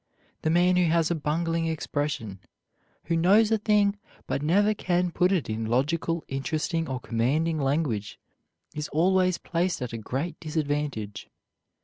The man who has a bungling expression, who knows a thing, but never can put it in logical, interesting, or commanding language, is always placed at a great disadvantage.